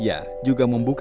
dia terbaik itu atau berbudaya